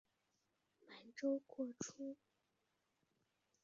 满洲国初期仍隶属吉林省。